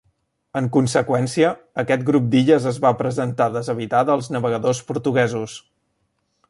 En conseqüència, aquest grup d'illes es va presentar deshabitada als navegadors portuguesos.